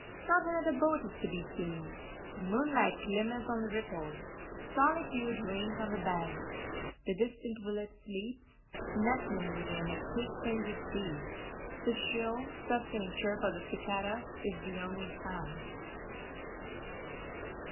Not another boat is to be seen. The moonlight glimmers on the ripples. Solitude reigns on the banks. The distant village sleeps, nestling within a thick fringe of trees. The shrill, sustained chirp of the cicadas is the only sound.